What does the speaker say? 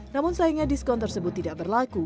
namun sayangnya diskon tersebut tidak berlaku